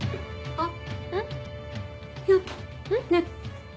あっ！